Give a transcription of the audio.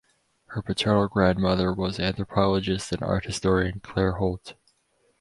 Her paternal grandmother was anthropologist and art historian Claire Holt.